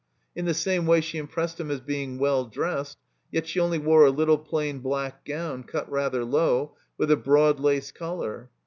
In the same way she impressed him as being well dressed. Yet she only wore a little plain black gown cut rather low, with a broad lace collar.